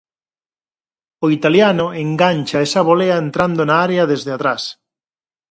O italiano engancha esa volea entrando na área desde atrás.